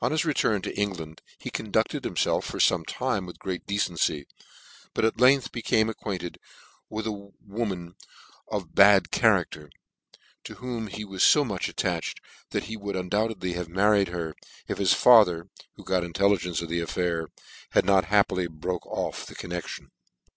On his return to England he conducted him felf far fome time with great decency ^ but at length became acquainted with a woman of bad character, to whom he was fo much attached that he would undoubteely have married her, if his father, who got intelligence of the affair, had not happily broke off the connection.